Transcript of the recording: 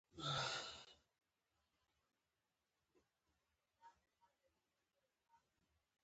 هیلۍ د اوږدو مزلونو لپاره چمتو وي